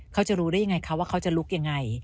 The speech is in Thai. เขาจะรู้ได้ยังไงคะว่าเขาจะลุกยังไง